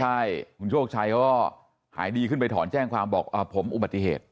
ใช่คุณโชคชัยเขาก็หายดีขึ้นไปถอนแจ้งความบอกผมอุบัติเหตุ